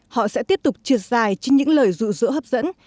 họ sẽ tiếp tục trượt dài trên những lời rụ rỗ hấp dẫn